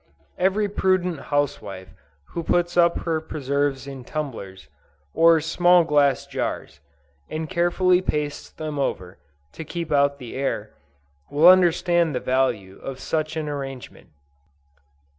Every prudent housewife who puts up her preserves in tumblers, or small glass jars, and carefully pastes them over, to keep out the air, will understand the value of such an arrangement.